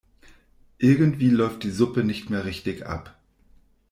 Irgendwie läuft die Suppe nicht mehr richtig ab.